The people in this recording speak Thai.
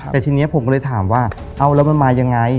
แต่ทีนี้ผมก็เลยถามว่าเอาแล้วมันมายังไง